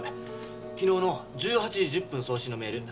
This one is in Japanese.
昨日の１８時１０分送信のメール。